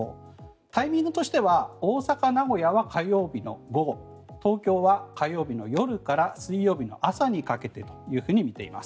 タイミングとしては大阪、名古屋は火曜日の午後東京は火曜日の夜から水曜日の朝にかけてとみています。